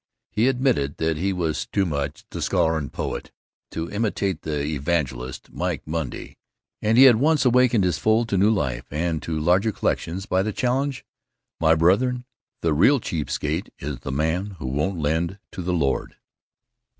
He admitted that he was too much the scholar and poet to imitate the evangelist, Mike Monday, yet he had once awakened his fold to new life, and to larger collections, by the challenge, "My brethren, the real cheap skate is the man who won't lend to the Lord!"